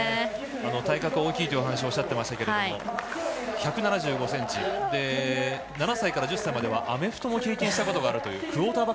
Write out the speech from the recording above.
体格が大きいということをおっしゃってましたけれども１７５ｃｍ、７歳から１０歳までアメフトも経験したこともあるという。